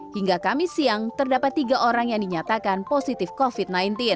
hingga kamis siang terdapat tiga orang yang dinyatakan positif covid sembilan belas